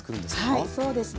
はいそうですね。